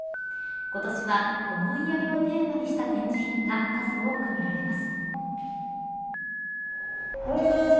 今年は、おもいやりをテーマにした展示品が数多く見られます。